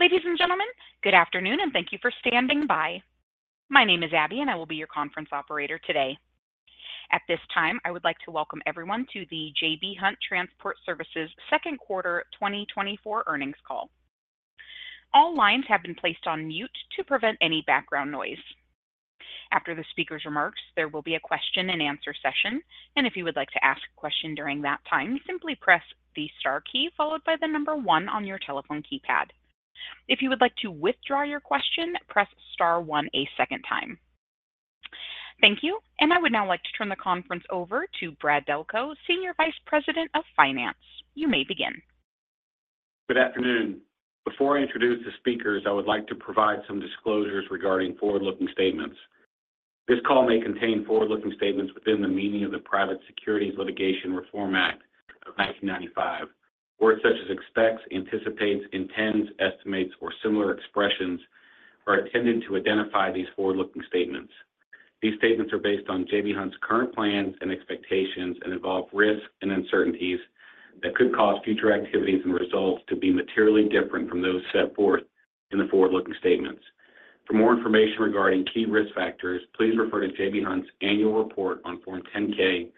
Ladies and gentlemen, good afternoon, and thank you for standing by. My name is Abby, and I will be your conference operator today. At this time, I would like to welcome everyone to the J.B. Hunt Transport Services second quarter 2024 earnings call. All lines have been placed on mute to prevent any background noise. After the speaker's remarks, there will be a question-and-answer session, and if you would like to ask a question during that time, simply press the star key followed by the number 1 on your telephone keypad. If you would like to withdraw your question, press star one a second time. Thank you, and I would now like to turn the conference over to Brad Delco, Senior Vice President of Finance. You may begin. Good afternoon. Before I introduce the speakers, I would like to provide some disclosures regarding forward-looking statements. This call may contain forward-looking statements within the meaning of the Private Securities Litigation Reform Act of 1995. Words such as expects, anticipates, intends, estimates, or similar expressions are intended to identify these forward-looking statements. These statements are based on J.B. Hunt's current plans and expectations and involve risks and uncertainties that could cause future activities and results to be materially different from those set forth in the forward-looking statements. For more information regarding key risk factors, please refer to J.B. Hunt's annual report on Form 10-K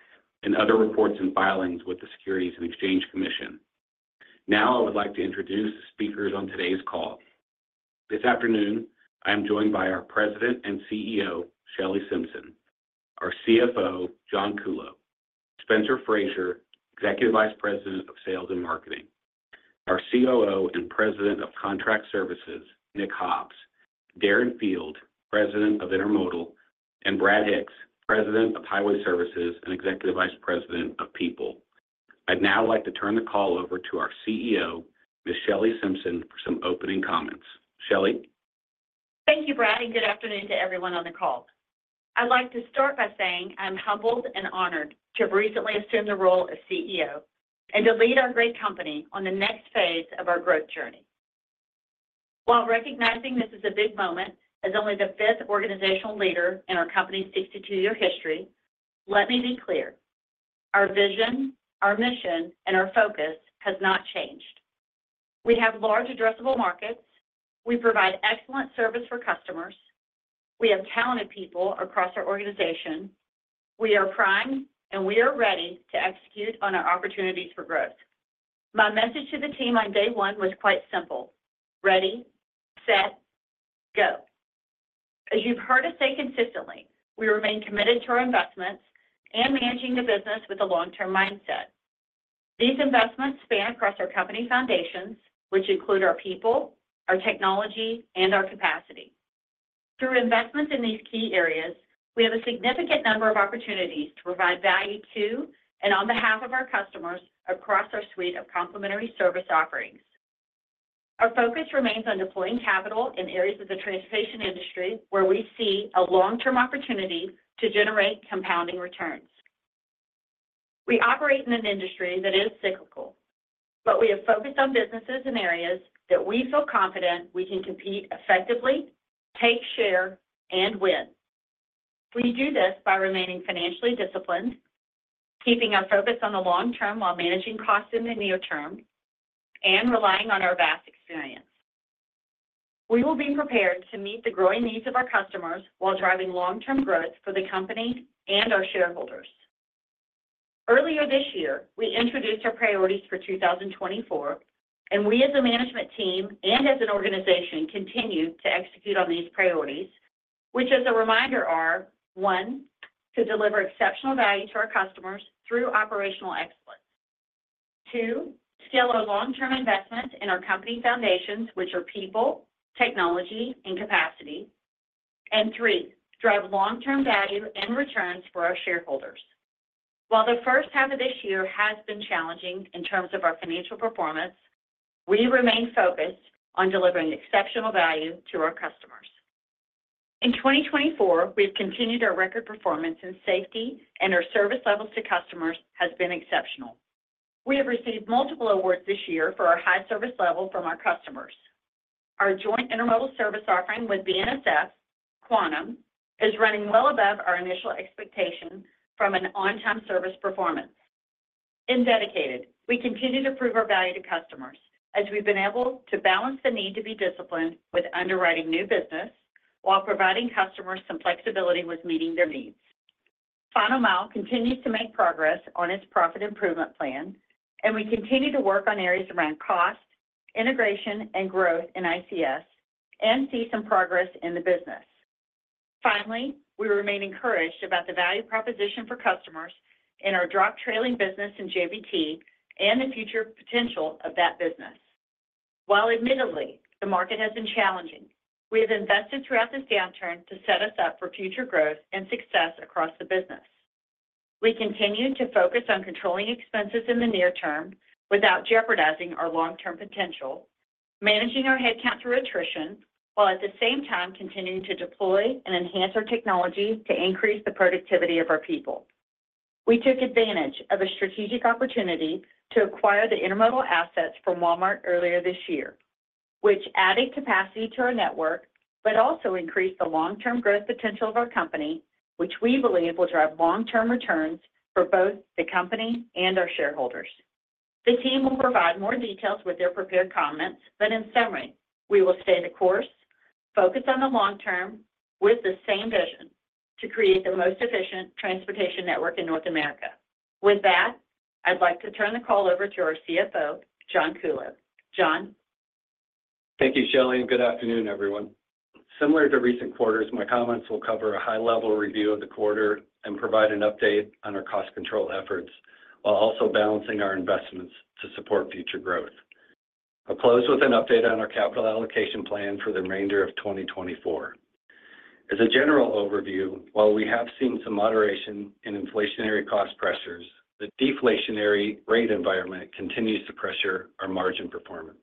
and other reports and filings with the Securities and Exchange Commission. Now, I would like to introduce the speakers on today's call. This afternoon, I am joined by our President and CEO, Shelley Simpson, our CFO, John Kuhlow, Spencer Frazier, Executive Vice President of Sales and Marketing, our COO and President of Contract Services, Nick Hobbs, Darren Field, President of Intermodal, and Brad Hicks, President of Highway Services and Executive Vice President of People. I'd now like to turn the call over to our CEO, Ms. Shelley Simpson, for some opening comments. Shelley? Thank you, Brad, and good afternoon to everyone on the call. I'd like to start by saying I'm humbled and honored to have recently assumed the role as CEO and to lead our great company on the next phase of our growth journey. While recognizing this is a big moment as only the 5th organizational leader in our company's 62-year history, let me be clear: Our vision, our mission, and our focus has not changed. We have large addressable markets. We provide excellent service for customers. We have talented people across our organization. We are primed, and we are ready to execute on our opportunities for growth. My message to the team on day 1 was quite simple: Ready, set, go. As you've heard us say consistently, we remain committed to our investments and managing the business with a long-term mindset. These investments span across our company foundations, which include our people, our technology, and our capacity. Through investments in these key areas, we have a significant number of opportunities to provide value to and on behalf of our customers across our suite of complementary service offerings. Our focus remains on deploying capital in areas of the transportation industry where we see a long-term opportunity to generate compounding returns. We operate in an industry that is cyclical, but we have focused on businesses and areas that we feel confident we can compete effectively, take share, and win. We do this by remaining financially disciplined, keeping our focus on the long term while managing costs in the near term, and relying on our vast experience. We will be prepared to meet the growing needs of our customers while driving long-term growth for the company and our shareholders. Earlier this year, we introduced our priorities for 2024, and we as a management team and as an organization, continue to execute on these priorities, which, as a reminder, are: 1, to deliver exceptional value to our customers through operational excellence. 2, scale our long-term investment in our company foundations, which are people, technology, and capacity. And 3, drive long-term value and returns for our shareholders. While the first half of this year has been challenging in terms of our financial performance, we remain focused on delivering exceptional value to our customers. In 2024, we've continued our record performance in safety, and our service levels to customers has been exceptional. We have received multiple awards this year for our high service level from our customers. Our joint intermodal service offering with BNSF, Quantum, is running well above our initial expectation from an on-time service performance. In Dedicated, we continue to prove our value to customers as we've been able to balance the need to be disciplined with underwriting new business while providing customers some flexibility with meeting their needs. Final Mile continues to make progress on its profit improvement plan, and we continue to work on areas around cost, integration, and growth in ICS and see some progress in the business. Finally, we remain encouraged about the value proposition for customers in our drop trailer business in JBT and the future potential of that business. While admittedly, the market has been challenging, we have invested throughout this downturn to set us up for future growth and success across the business. We continue to focus on controlling expenses in the near term without jeopardizing our long-term potential, managing our headcount through attrition, while at the same time continuing to deploy and enhance our technology to increase the productivity of our people. We took advantage of a strategic opportunity to acquire the intermodal assets from Walmart earlier this year, which added capacity to our network, but also increase the long-term growth potential of our company, which we believe will drive long-term returns for both the company and our shareholders. The team will provide more details with their prepared comments, but in summary, we will stay the course, focused on the long term, with the same vision: to create the most efficient transportation network in North America. With that, I'd like to turn the call over to our CFO, John Kuhlow. John? Thank you, Shelley, and good afternoon, everyone. Similar to recent quarters, my comments will cover a high-level review of the quarter and provide an update on our cost control efforts, while also balancing our investments to support future growth. I'll close with an update on our capital allocation plan for the remainder of 2024. As a general overview, while we have seen some moderation in inflationary cost pressures, the deflationary rate environment continues to pressure our margin performance.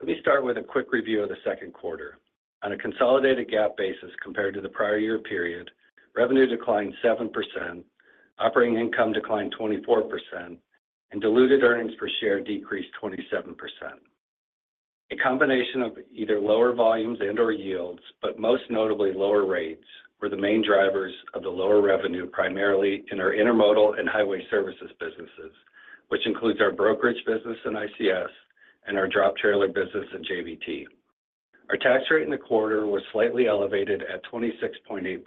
Let me start with a quick review of the second quarter. On a consolidated GAAP basis, compared to the prior year period, revenue declined 7%, operating income declined 24%, and diluted earnings per share decreased 27%. A combination of either lower volumes and/or yields, but most notably lower rates, were the main drivers of the lower revenue, primarily in our intermodal and highway services businesses, which includes our brokerage business in ICS and our drop trailer business at JBT. Our tax rate in the quarter was slightly elevated at 26.8%.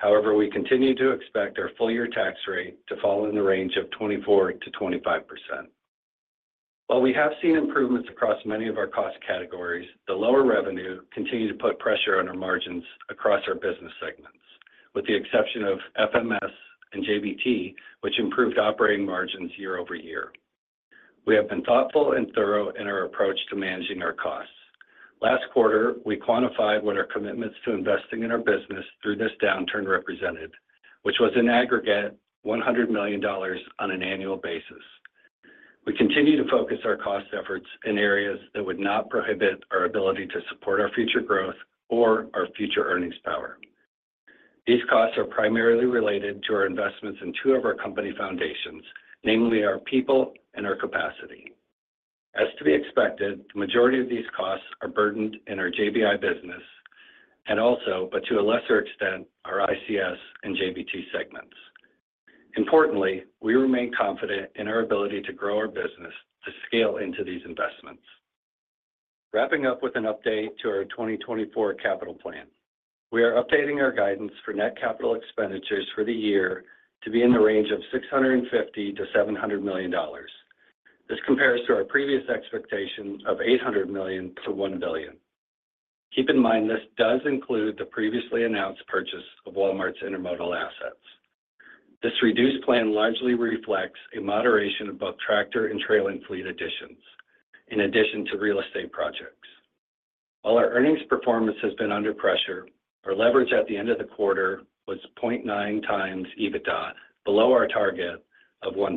However, we continue to expect our full-year tax rate to fall in the range of 24%-25%. While we have seen improvements across many of our cost categories, the lower revenue continued to put pressure on our margins across our business segments, with the exception of FMS and JBT, which improved operating margins year-over-year. We have been thoughtful and thorough in our approach to managing our costs. Last quarter, we quantified what our commitments to investing in our business through this downturn represented, which was an aggregate $100 million on an annual basis. We continue to focus our cost efforts in areas that would not prohibit our ability to support our future growth or our future earnings power. These costs are primarily related to our investments in two of our company foundations, namely our people and our capacity. As to be expected, the majority of these costs are burdened in our JBI business and also, but to a lesser extent, our ICS and JBT segments. Importantly, we remain confident in our ability to grow our business to scale into these investments. Wrapping up with an update to our 2024 capital plan, we are updating our guidance for net capital expenditures for the year to be in the range of $650 million-$700 million. This compares to our previous expectation of $800 million-$1 billion. Keep in mind, this does include the previously announced purchase of Walmart's intermodal assets. This reduced plan largely reflects a moderation in both tractor and trailing fleet additions, in addition to real estate projects. While our earnings performance has been under pressure, our leverage at the end of the quarter was 0.9x EBITDA, below our target of 1x.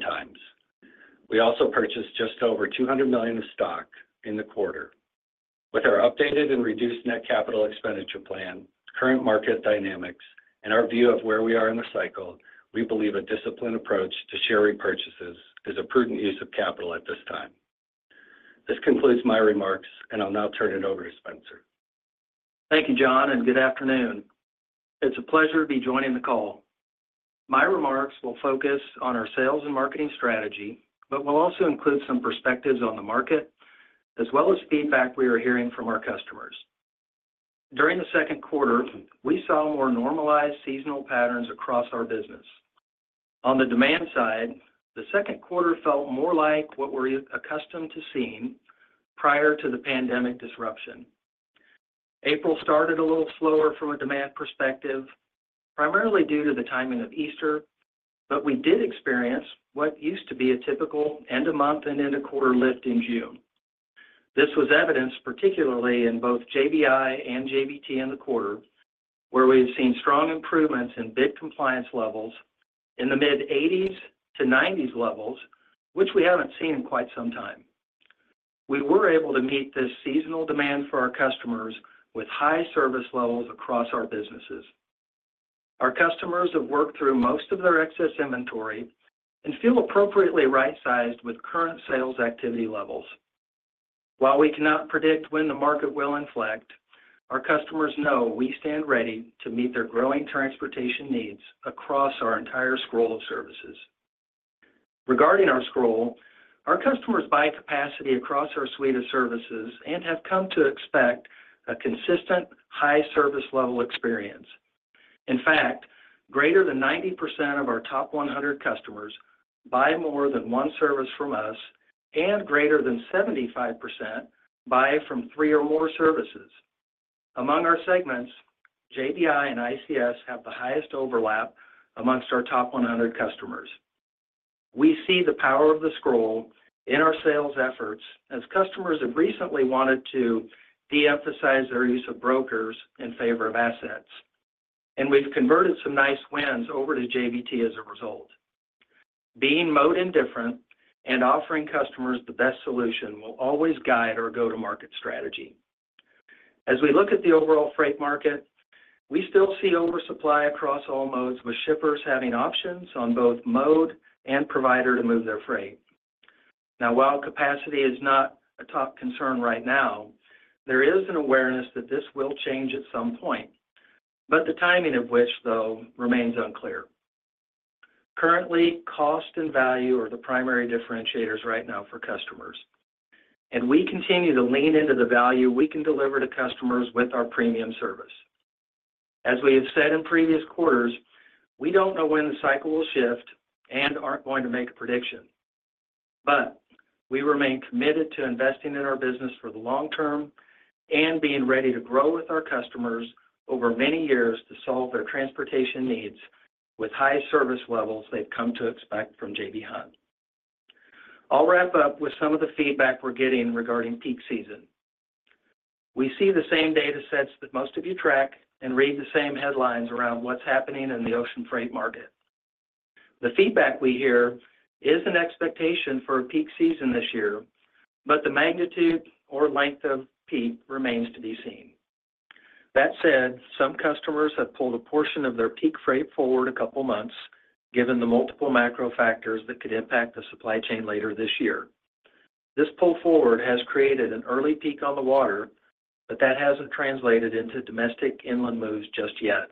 We also purchased just over $200 million of stock in the quarter. With our updated and reduced net capital expenditure plan, current market dynamics, and our view of where we are in the cycle, we believe a disciplined approach to share repurchases is a prudent use of capital at this time. This concludes my remarks, and I'll now turn it over to Spencer. Thank you, John, and good afternoon. It's a pleasure to be joining the call. My remarks will focus on our sales and marketing strategy, but will also include some perspectives on the market, as well as feedback we are hearing from our customers. During the second quarter, we saw more normalized seasonal patterns across our business. On the demand side, the second quarter felt more like what we're accustomed to seeing prior to the pandemic disruption. April started a little slower from a demand perspective, primarily due to the timing of Easter, but we did experience what used to be a typical end-of-month and end-of-quarter lift in June. This was evidenced particularly in both JBI and JBT in the quarter, where we've seen strong improvements in bid compliance levels in the mid-80s to 90s levels, which we haven't seen in quite some time. We were able to meet this seasonal demand for our customers with high service levels across our businesses. Our customers have worked through most of their excess inventory and feel appropriately right-sized with current sales activity levels. While we cannot predict when the market will inflect, our customers know we stand ready to meet their growing transportation needs across our entire suite of services. Regarding our suite, our customers buy capacity across our suite of services and have come to expect a consistent, high service level experience. In fact, greater than 90% of our top 100 customers buy more than one service from us, and greater than 75% buy from three or more services. Among our segments, JBI and ICS have the highest overlap amongst our top 100 customers. We see the power of the 360 in our sales efforts as customers have recently wanted to de-emphasize their use of brokers in favor of assets, and we've converted some nice wins over to JBT as a result. Being mode indifferent and offering customers the best solution will always guide our go-to-market strategy. As we look at the overall freight market, we still see oversupply across all modes, with shippers having options on both mode and provider to move their freight. Now, while capacity is not a top concern right now, there is an awareness that this will change at some point, but the timing of which, though, remains unclear. Currently, cost and value are the primary differentiators right now for customers, and we continue to lean into the value we can deliver to customers with our premium service. As we have said in previous quarters, we don't know when the cycle will shift and aren't going to make a prediction. But we remain committed to investing in our business for the long term and being ready to grow with our customers over many years to solve their transportation needs with high service levels they've come to expect from J.B. Hunt. I'll wrap up with some of the feedback we're getting regarding peak season. We see the same data sets that most of you track and read the same headlines around what's happening in the ocean freight market. The feedback we hear is an expectation for a peak season this year, but the magnitude or length of peak remains to be seen. That said, some customers have pulled a portion of their peak freight forward a couple of months, given the multiple macro factors that could impact the supply chain later this year. This pull forward has created an early peak on the water, but that hasn't translated into domestic inland moves just yet.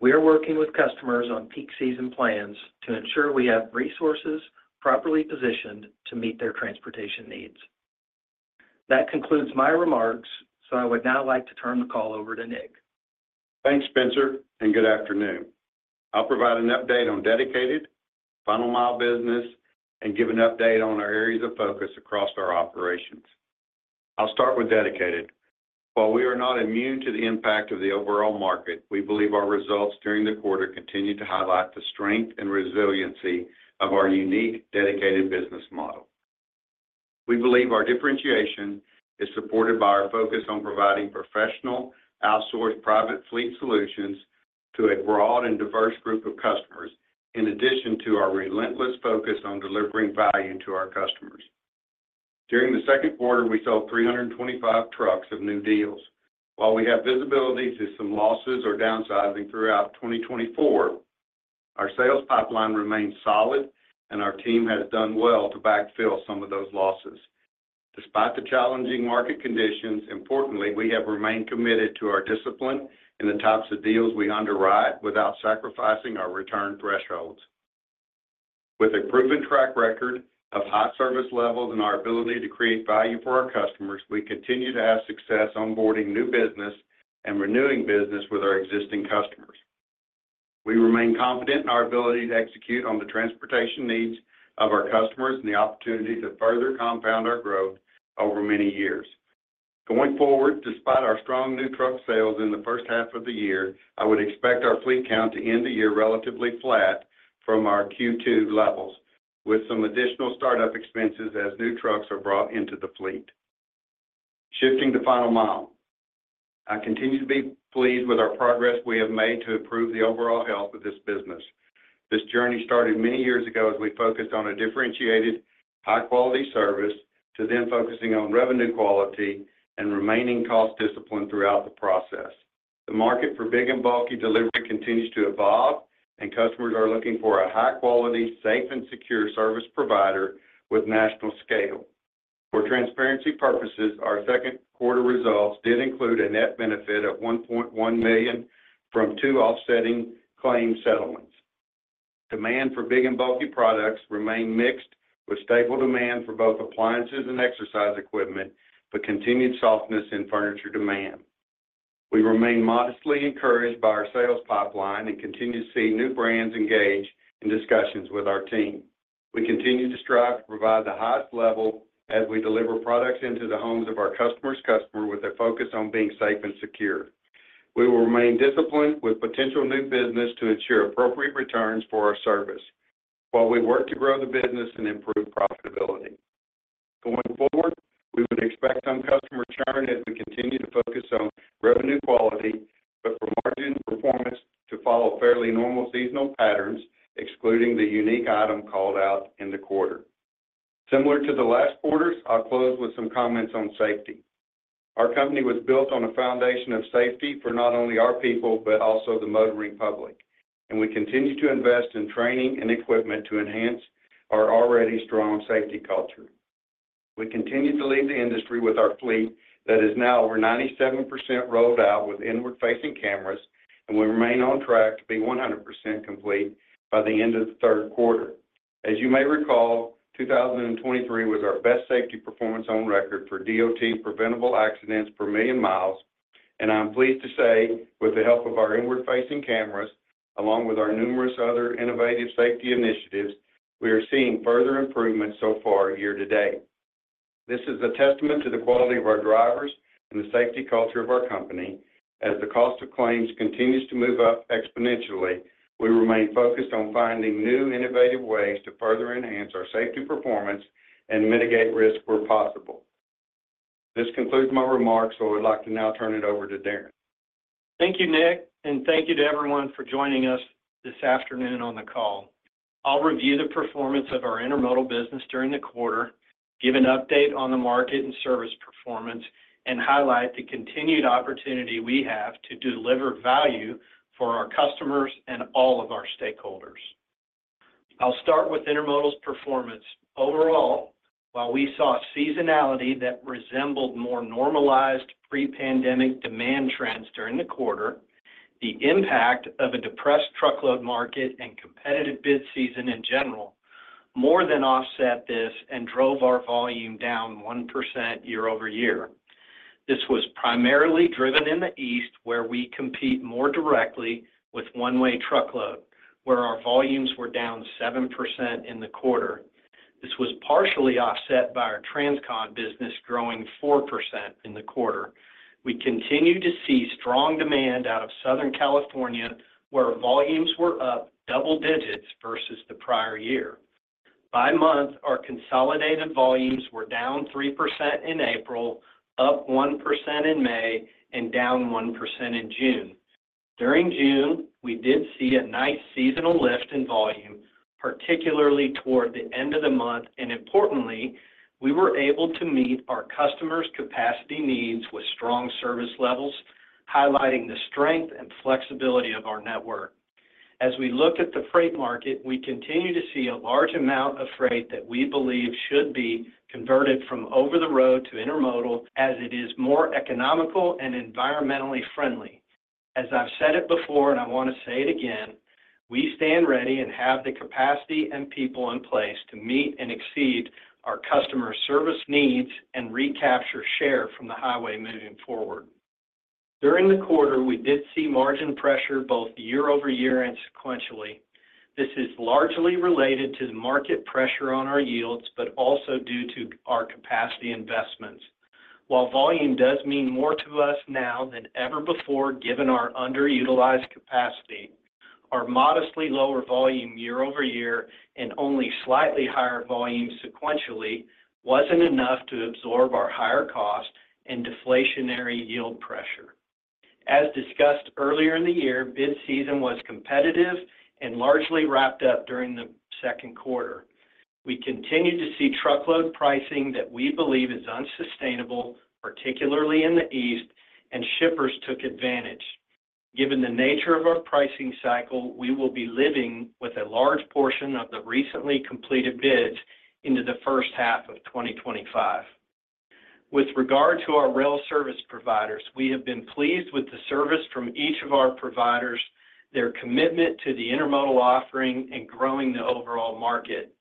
We are working with customers on peak season plans to ensure we have resources properly positioned to meet their transportation needs. That concludes my remarks, so I would now like to turn the call over to Nick. Thanks, Spencer, and good afternoon. I'll provide an update on dedicated Final Mile business and give an update on our areas of focus across our operations. I'll start with dedicated. While we are not immune to the impact of the overall market, we believe our results during the quarter continued to highlight the strength and resiliency of our unique dedicated business model. We believe our differentiation is supported by our focus on providing professional, outsourced, private fleet solutions to a broad and diverse group of customers, in addition to our relentless focus on delivering value to our customers. During the second quarter, we sold 325 trucks of new deals. While we have visibility to some losses or downsizing throughout 2024, our sales pipeline remains solid, and our team has done well to backfill some of those losses. Despite the challenging market conditions, importantly, we have remained committed to our discipline and the types of deals we underwrite without sacrificing our return thresholds. With a proven track record of high service levels and our ability to create value for our customers, we continue to have success onboarding new business and renewing business with our existing customers. We remain confident in our ability to execute on the transportation needs of our customers and the opportunity to further compound our growth over many years. Going forward, despite our strong new truck sales in the first half of the year, I would expect our fleet count to end the year relatively flat from our Q2 levels, with some additional startup expenses as new trucks are brought into the fleet. Shifting to Final Mile. I continue to be pleased with our progress we have made to improve the overall health of this business. This journey started many years ago as we focused on a differentiated, high-quality service, to then focusing on revenue quality and remaining cost discipline throughout the process. The market for big and bulky delivery continues to evolve, and customers are looking for a high-quality, safe, and secure service provider with national scale. For transparency purposes, our second quarter results did include a net benefit of $1.1 million from two offsetting claim settlements. Demand for big and bulky products remain mixed, with stable demand for both appliances and exercise equipment, but continued softness in furniture demand. We remain modestly encouraged by our sales pipeline and continue to see new brands engage in discussions with our team. We continue to strive to provide the highest level as we deliver products into the homes of our customer's customer with a focus on being safe and secure. We will remain disciplined with potential new business to ensure appropriate returns for our service, while we work to grow the business and improve profitability. Going forward, we would expect some customer churn as we continue to focus on revenue quality, but for margin performance to follow fairly normal seasonal patterns, excluding the unique item called out in the quarter. Similar to the last quarters, I'll close with some comments on safety. Our company was built on a foundation of safety for not only our people, but also the motoring public, and we continue to invest in training and equipment to enhance our already strong safety culture. We continue to lead the industry with our fleet that is now over 97% rolled out with inward-facing cameras, and we remain on track to be 100% complete by the end of the third quarter. As you may recall, 2023 was our best safety performance on record for DOT preventable accidents per million miles, and I'm pleased to say, with the help of our inward-facing cameras, along with our numerous other innovative safety initiatives, we are seeing further improvements so far year to date. This is a testament to the quality of our drivers and the safety culture of our company. As the cost of claims continues to move up exponentially, we remain focused on finding new innovative ways to further enhance our safety performance and mitigate risk where possible. This concludes my remarks, so I would like to now turn it over to Darren. Thank you, Nick, and thank you to everyone for joining us this afternoon on the call. I'll review the performance of our intermodal business during the quarter.... give an update on the market and service performance, and highlight the continued opportunity we have to deliver value for our customers and all of our stakeholders. I'll start with Intermodal's performance. Overall, while we saw seasonality that resembled more normalized pre-pandemic demand trends during the quarter, the impact of a depressed truckload market and competitive bid season in general, more than offset this and drove our volume down 1% year-over-year. This was primarily driven in the East, where we compete more directly with one-way truckload, where our volumes were down 7% in the quarter. This was partially offset by our Transcon business growing 4% in the quarter. We continue to see strong demand out of Southern California, where volumes were up double digits versus the prior year. By month, our consolidated volumes were down 3% in April, up 1% in May, and down 1% in June. During June, we did see a nice seasonal lift in volume, particularly toward the end of the month, and importantly, we were able to meet our customers' capacity needs with strong service levels, highlighting the strength and flexibility of our network. As we look at the freight market, we continue to see a large amount of freight that we believe should be converted from over the road to intermodal, as it is more economical and environmentally friendly. As I've said it before, and I want to say it again, we stand ready and have the capacity and people in place to meet and exceed our customer service needs and recapture share from the highway moving forward. During the quarter, we did see margin pressure both year-over-year and sequentially. This is largely related to the market pressure on our yields, but also due to our capacity investments. While volume does mean more to us now than ever before, given our underutilized capacity, our modestly lower volume year-over-year and only slightly higher volume sequentially, wasn't enough to absorb our higher cost and deflationary yield pressure. As discussed earlier in the year, bid season was competitive and largely wrapped up during the second quarter. We continue to see truckload pricing that we believe is unsustainable, particularly in the East, and shippers took advantage. Given the nature of our pricing cycle, we will be living with a large portion of the recently completed bids into the first half of 2025. With regard to our rail service providers, we have been pleased with the service from each of our providers, their commitment to the intermodal offering, and growing the overall market.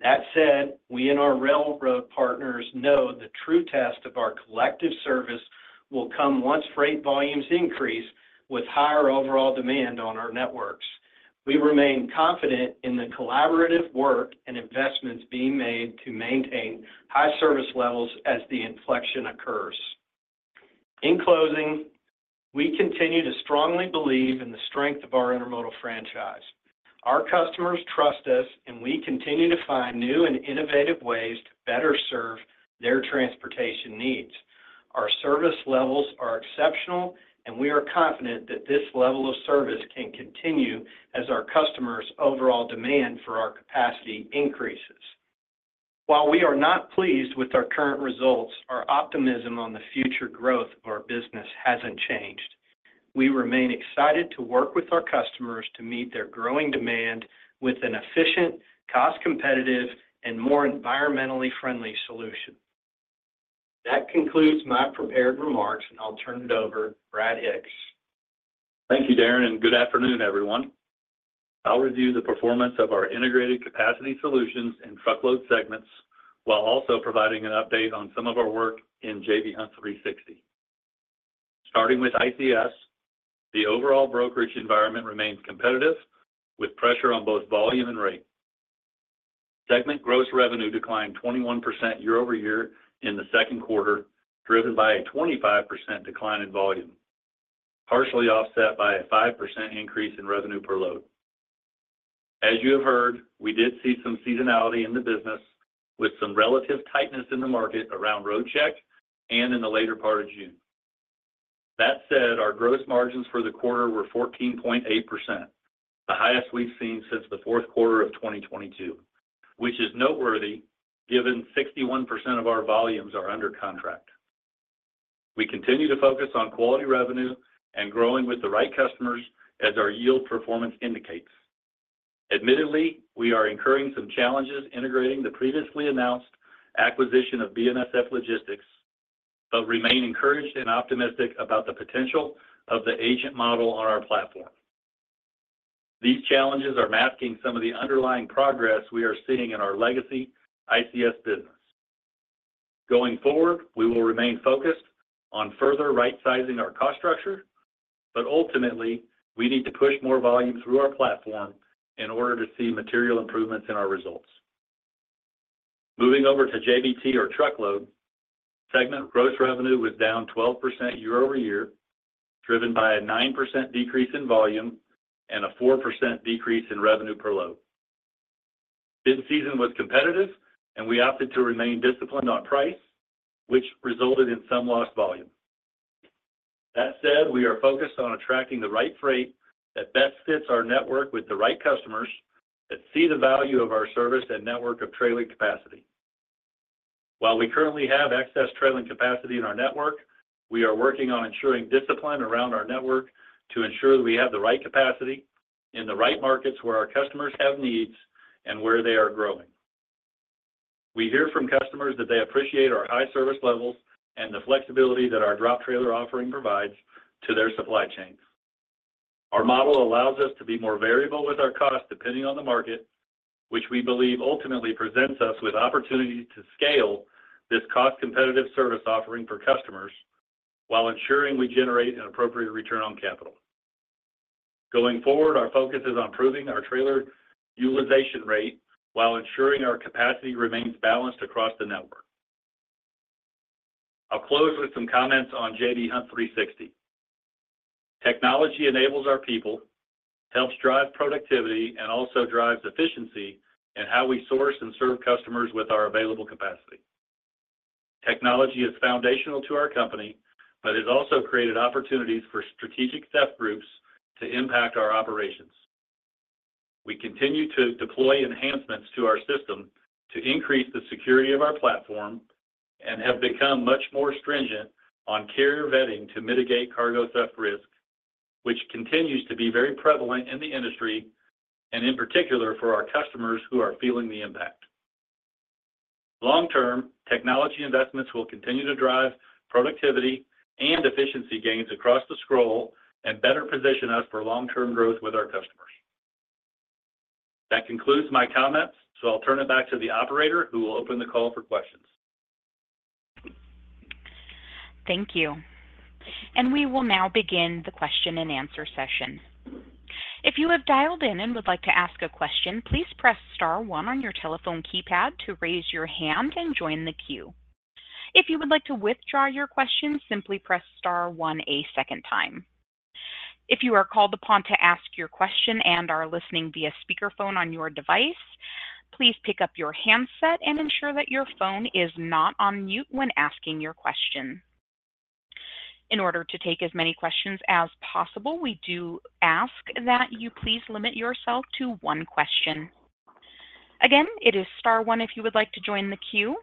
That said, we and our railroad partners know the true test of our collective service will come once freight volumes increase with higher overall demand on our networks. We remain confident in the collaborative work and investments being made to maintain high service levels as the inflection occurs. In closing, we continue to strongly believe in the strength of our intermodal franchise. Our customers trust us, and we continue to find new and innovative ways to better serve their transportation needs. Our service levels are exceptional, and we are confident that this level of service can continue as our customers' overall demand for our capacity increases. While we are not pleased with our current results, our optimism on the future growth of our business hasn't changed. We remain excited to work with our customers to meet their growing demand with an efficient, cost-competitive, and more environmentally friendly solution. That concludes my prepared remarks, and I'll turn it over to Brad Hicks. Thank you, Darren, and good afternoon, everyone. I'll review the performance of our Integrated Capacity Solutions and Truckload segments while also providing an update on some of our work in J.B. Hunt 360°. Starting with ICS, the overall brokerage environment remains competitive, with pressure on both volume and rate. Segment gross revenue declined 21% year-over-year in the second quarter, driven by a 25% decline in volume, partially offset by a 5% increase in revenue per load. As you have heard, we did see some seasonality in the business, with some relative tightness in the market around Roadcheck and in the later part of June. That said, our gross margins for the quarter were 14.8%, the highest we've seen since the fourth quarter of 2022, which is noteworthy, given 61% of our volumes are under contract. We continue to focus on quality revenue and growing with the right customers as our yield performance indicates. Admittedly, we are incurring some challenges integrating the previously announced acquisition of BNSF Logistics, but remain encouraged and optimistic about the potential of the agent model on our platform. These challenges are masking some of the underlying progress we are seeing in our legacy ICS business. Going forward, we will remain focused on further right-sizing our cost structure, but ultimately, we need to push more volume through our platform in order to see material improvements in our results. Moving over to JBT or truckload, segment gross revenue was down 12% year-over-year, driven by a 9% decrease in volume and a 4% decrease in revenue per load. Bid season was competitive, and we opted to remain disciplined on price, which resulted in some lost volume.... That said, we are focused on attracting the right freight that best fits our network with the right customers, that see the value of our service and network of trailing capacity. While we currently have excess trailing capacity in our network, we are working on ensuring discipline around our network to ensure that we have the right capacity in the right markets where our customers have needs and where they are growing. We hear from customers that they appreciate our high service levels and the flexibility that our drop trailer offering provides to their supply chains. Our model allows us to be more variable with our costs depending on the market, which we believe ultimately presents us with opportunity to scale this cost-competitive service offering for customers while ensuring we generate an appropriate return on capital. Going forward, our focus is on improving our trailer utilization rate while ensuring our capacity remains balanced across the network. I'll close with some comments on J.B. Hunt 360. Technology enables our people, helps drive productivity, and also drives efficiency in how we source and serve customers with our available capacity. Technology is foundational to our company, but has also created opportunities for organized theft groups to impact our operations. We continue to deploy enhancements to our system to increase the security of our platform and have become much more stringent on carrier vetting to mitigate cargo theft risk, which continues to be very prevalent in the industry, and in particular for our customers who are feeling the impact. Long-term, technology investments will continue to drive productivity and efficiency gains across the board and better position us for long-term growth with our customers. That concludes my comments, so I'll turn it back to the operator, who will open the call for questions. Thank you. We will now begin the question-and-answer session. If you have dialed in and would like to ask a question, please press star one on your telephone keypad to raise your hand and join the queue. If you would like to withdraw your question, simply press star one a second time. If you are called upon to ask your question and are listening via speakerphone on your device, please pick up your handset and ensure that your phone is not on mute when asking your question. In order to take as many questions as possible, we do ask that you please limit yourself to one question. Again, it is star one if you would like to join the queue.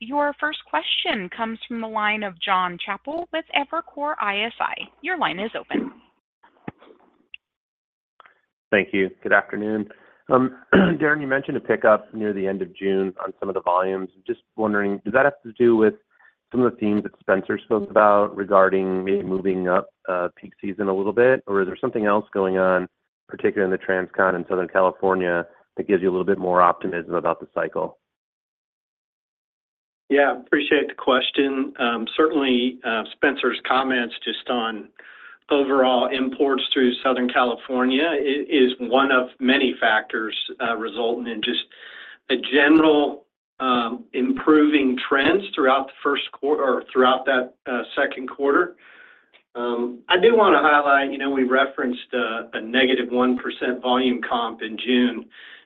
Your first question comes from the line of John Chappell with Evercore ISI. Your line is open. Thank you. Good afternoon. Darren, you mentioned a pickup near the end of June on some of the volumes. Just wondering, does that have to do with some of the themes that Spencer spoke about regarding maybe moving up, peak season a little bit? Or is there something else going on, particularly in the Transcon in Southern California, that gives you a little bit more optimism about the cycle? Yeah, appreciate the question. Certainly, Spencer's comments just on overall imports through Southern California is one of many factors resulting in just a general improving trends throughout that second quarter. I do want to highlight, you know, we referenced a negative 1% volume comp in June.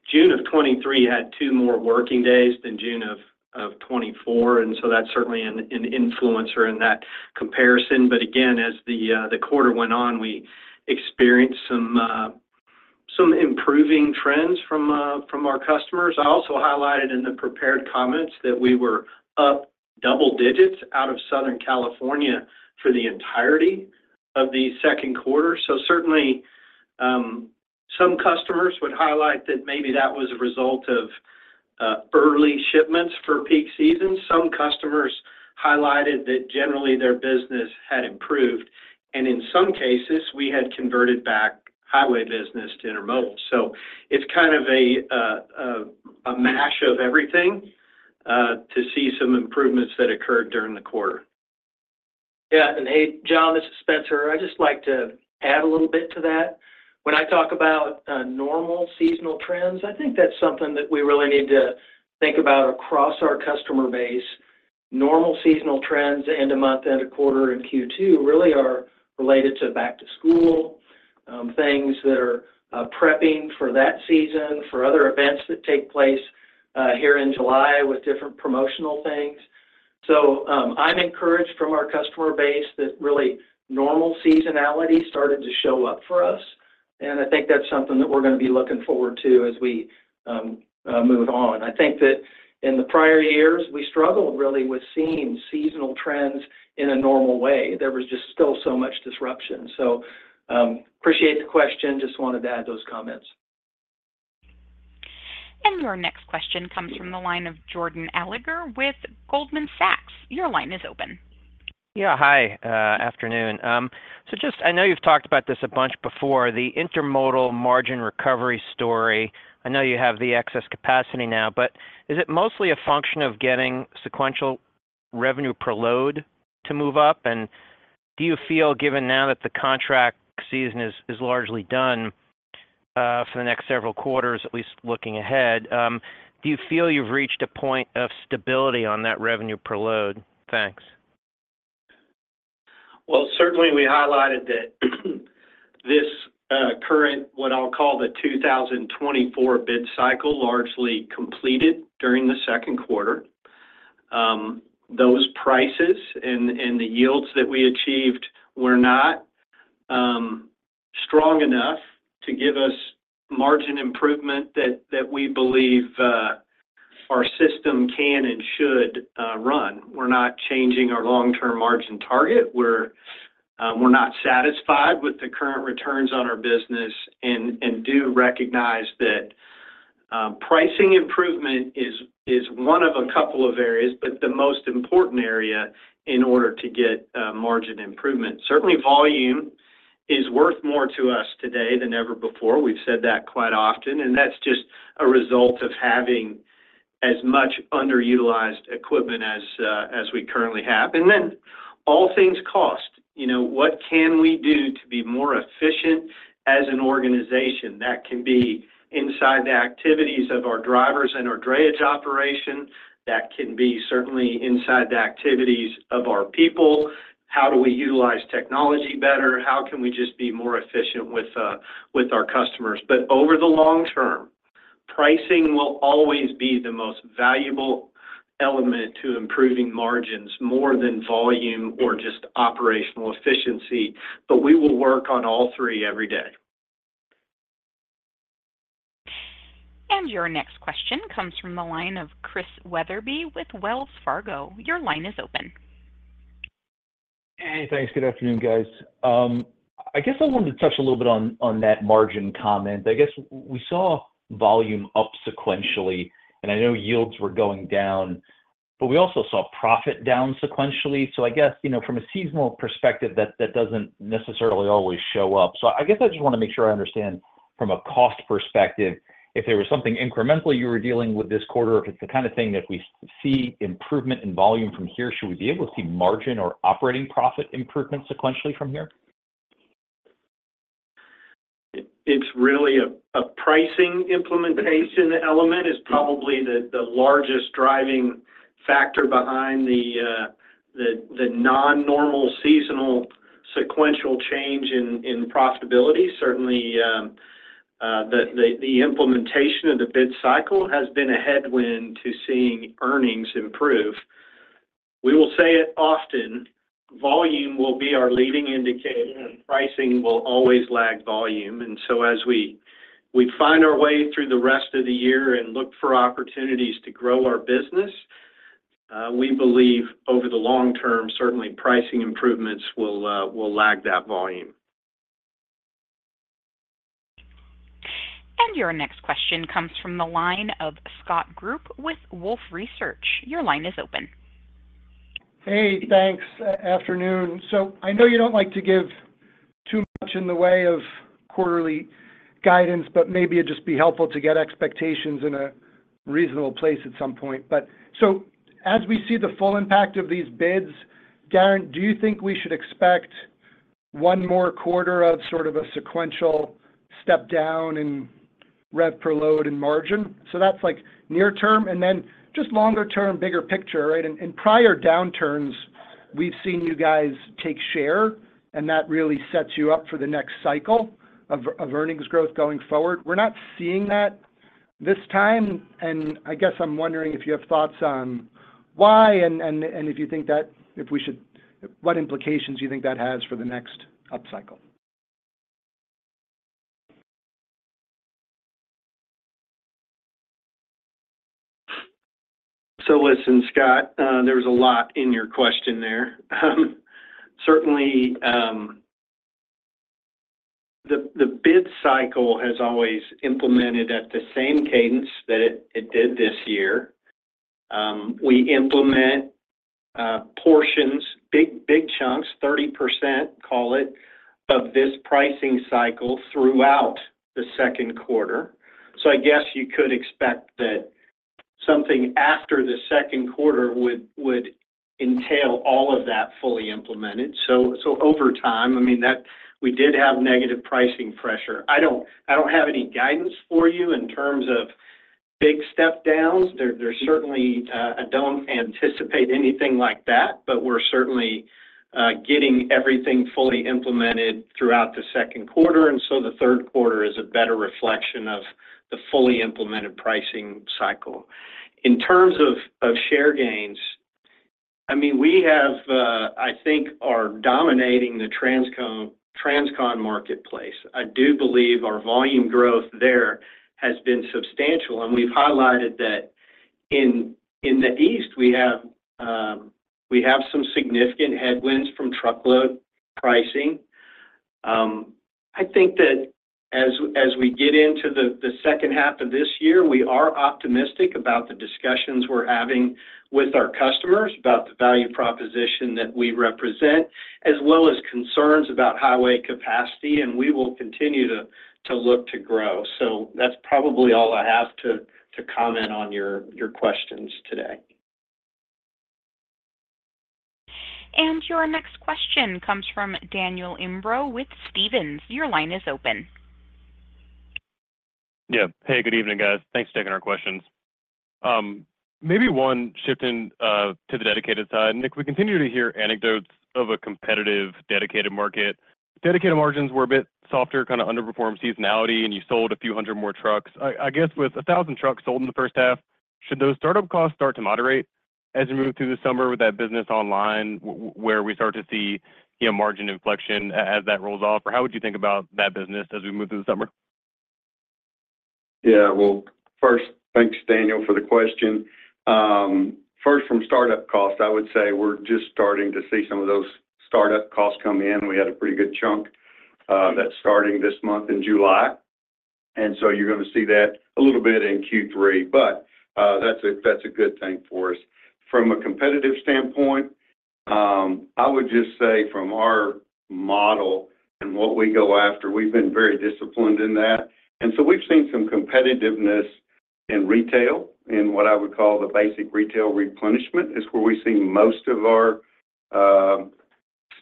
June of 2023 had 2 more working days than June of 2024, and so that's certainly an influencer in that comparison. But again, as the quarter went on, we experienced some improving trends from our customers. I also highlighted in the prepared comments that we were up double digits out of Southern California for the entirety of the second quarter. So certainly, some customers would highlight that maybe that was a result of early shipments for peak season. Some customers highlighted that generally their business had improved, and in some cases, we had converted back highway business to intermodal. So it's kind of a mash of everything, to see some improvements that occurred during the quarter. Yeah, and hey, John, this is Spencer. I'd just like to add a little bit to that. When I talk about normal seasonal trends, I think that's something that we really need to think about across our customer base. Normal seasonal trends, end of month, end of quarter in Q2, really are related to back to school, things that are prepping for that season, for other events that take place here in July with different promotional things. So, I'm encouraged from our customer base that really normal seasonality started to show up for us, and I think that's something that we're going to be looking forward to as we move on. I think that in the prior years, we struggled really with seeing seasonal trends in a normal way. There was just still so much disruption. So, appreciate the question. Just wanted to add those comments. Your next question comes from the line of Jordan Alliger with Goldman Sachs. Your line is open. Yeah. Hi, afternoon. So just... I know you've talked about this a bunch before, the intermodal margin recovery story. I know you have the excess capacity now, but is it mostly a function of getting sequential revenue per load to move up? And do you feel, given now that the contract season is largely done, for the next several quarters, at least looking ahead, do you feel you've reached a point of stability on that revenue per load? Thanks. Well, certainly, we highlighted that this current, what I'll call the 2024 bid cycle, largely completed during the second quarter. Those prices and, and the yields that we achieved were not strong enough to give us margin improvement that, that we believe our system can and should run. We're not changing our long-term margin target. We're, we're not satisfied with the current returns on our business and, and do recognize that pricing improvement is, is one of a couple of areas, but the most important area in order to get margin improvement. Certainly, volume is worth more to us today than ever before. We've said that quite often, and that's just a result of having as much underutilized equipment as, as we currently have. And then all things cost. You know, what can we do to be more efficient as an organization? That can be inside the activities of our drivers and our drayage operation. That can be certainly inside the activities of our people. How do we utilize technology better? How can we just be more efficient with, with our customers? But over the long term, pricing will always be the most valuable element to improving margins, more than volume or just operational efficiency, but we will work on all three every day. Your next question comes from the line of Chris Wetherbee with Wells Fargo. Your line is open. Hey, thanks. Good afternoon, guys. I guess I wanted to touch a little bit on that margin comment. I guess we saw volume up sequentially, and I know yields were going down, but we also saw profit down sequentially. So I guess, you know, from a seasonal perspective, that doesn't necessarily always show up. So I guess I just wanna make sure I understand from a cost perspective, if there was something incrementally you were dealing with this quarter, if it's the kind of thing that we see improvement in volume from here, should we be able to see margin or operating profit improvement sequentially from here? It's really a pricing implementation element is probably the largest driving factor behind the non-normal seasonal sequential change in profitability. Certainly, the implementation of the bid cycle has been a headwind to seeing earnings improve. We will say it often, volume will be our leading indicator, and pricing will always lag volume. So as we find our way through the rest of the year and look for opportunities to grow our business, we believe over the long term, certainly pricing improvements will lag that volume. Your next question comes from the line of Scott Group with Wolfe Research. Your line is open. Hey, thanks. Afternoon. So I know you don't like to give too much in the way of quarterly guidance, but maybe it'd just be helpful to get expectations in a reasonable place at some point. But so as we see the full impact of these bids, Darren, do you think we should expect one more quarter of sort of a sequential step down in rev per load and margin? So that's, like, near term, and then just longer term, bigger picture, right? In prior downturns, we've seen you guys take share, and that really sets you up for the next cycle of earnings growth going forward. We're not seeing that this time, and I guess I'm wondering if you have thoughts on why and if you think that... if we should-- what implications you think that has for the next upcycle. So listen, Scott, there's a lot in your question there. Certainly, the bid cycle has always implemented at the same cadence that it did this year. We implement portions, big, big chunks, 30%, call it, of this pricing cycle throughout the second quarter. So I guess you could expect that something after the second quarter would entail all of that fully implemented. So over time, I mean, that... We did have negative pricing pressure. I don't have any guidance for you in terms of big step downs. There's certainly, I don't anticipate anything like that, but we're certainly getting everything fully implemented throughout the second quarter, and so the third quarter is a better reflection of the fully implemented pricing cycle. In terms of share gains, I mean, we have, I think we are dominating the Transcon, Transcon marketplace. I do believe our volume growth there has been substantial, and we've highlighted that. In the East, we have some significant headwinds from truckload pricing. I think that as we get into the second half of this year, we are optimistic about the discussions we're having with our customers, about the value proposition that we represent, as well as concerns about highway capacity, and we will continue to look to grow. So that's probably all I have to comment on your questions today. Your next question comes from Daniel Imbro with Stephens. Your line is open. ... Yeah. Hey, good evening, guys. Thanks for taking our questions. Maybe one shifting to the dedicated side. Nick, we continue to hear anecdotes of a competitive dedicated market. Dedicated margins were a bit softer, kind of underperformed seasonality, and you sold a few hundred more trucks. I guess, with 1,000 trucks sold in the first half, should those startup costs start to moderate as you move through the summer with that business online, where we start to see, you know, margin inflection as that rolls off? Or how would you think about that business as we move through the summer? Yeah. Well, first, thanks, Daniel, for the question. First, from startup costs, I would say we're just starting to see some of those startup costs come in. We had a pretty good chunk that's starting this month in July, and so you're going to see that a little bit in Q3, but that's a good thing for us. From a competitive standpoint, I would just say from our model and what we go after, we've been very disciplined in that. And so we've seen some competitiveness in retail, in what I would call the basic retail replenishment, is where we've seen most of our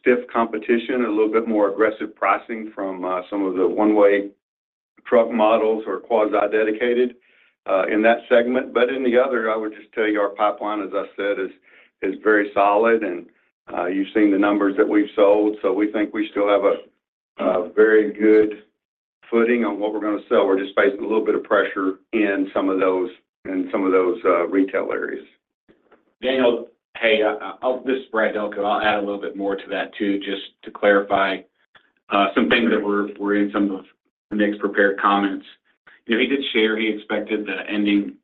stiff competition, a little bit more aggressive pricing from some of the one-way truck models or quasi-dedicated in that segment. But in the other, I would just tell you, our pipeline, as I said, is very solid, and you've seen the numbers that we've sold. So we think we still have a very good footing on what we're going to sell. We're just facing a little bit of pressure in some of those retail areas. Daniel, hey, I'll... This is Brad Delco. I'll add a little bit more to that, too, just to clarify, some things that were in some of Nick's prepared comments. You know, he did share he expected the ending